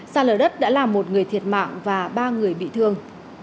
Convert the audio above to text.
xa lở đất đã làm một người thiệt mạng và ba người bị thương